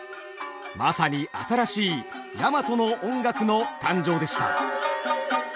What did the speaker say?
まさに新しい大和の音楽の誕生でした。